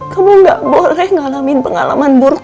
kamu gak boleh ngalamin pengalaman buruk